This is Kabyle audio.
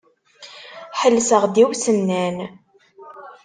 Ḥelseɣ-d i usennan.